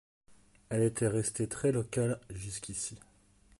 Elle était restée très locale jusqu’ici.